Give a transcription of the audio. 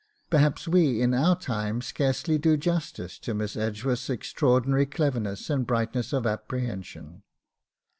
Perhaps we in our time scarcely do justice to Miss Edgeworth's extraordinary cleverness and brightness of apprehension.